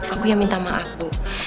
aku yang minta maaf aku